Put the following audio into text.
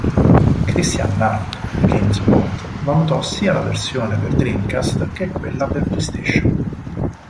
Christian Nutt di GameSpot valutò sia la versione per Dreamcast che quella per PlayStation.